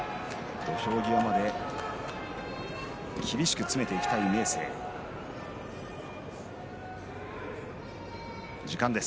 土俵際で厳しく詰めていきたい明生です。